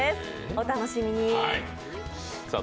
お楽しみに。